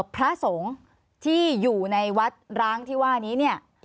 พระสงฆ์ที่อยู่ในวัดร้างที่ว่านี้เนี่ย